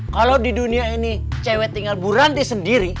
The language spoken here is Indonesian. kalau di dunia ini cewek tinggal bu ranti sendiri